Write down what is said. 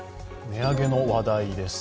値上げの話題です。